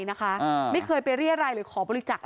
แล้วมันกลายเป็นข่าว